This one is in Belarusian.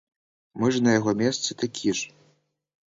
Мы ж на яго месцы такі ж!